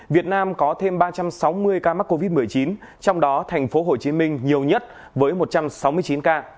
việt nam có thêm ba trăm sáu mươi ca mắc covid một mươi chín trong đó thành phố hồ chí minh nhiều nhất với một trăm sáu mươi chín ca